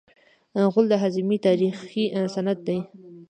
غول د هاضمې تاریخي سند دی.